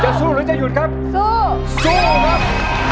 สู้หรือจะหยุดครับสู้สู้ครับ